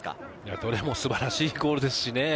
どれも素晴らしいゴールですしね。